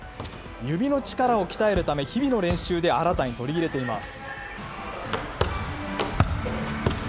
指の力を鍛えるため、日々の練習で新たに取り入れています。